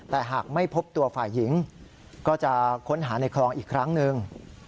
แต่หากไม่พบตัวฝ่ายหญิงก็จะค้นหาในคลองอีกครั้งหนึ่ง